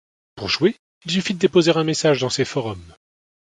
Pour jouer, il suffit de déposer un message dans ces forums.